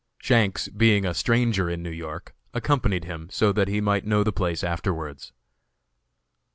Shanks, being a stranger in New York, accompanied him, so that he might know the place afterwards.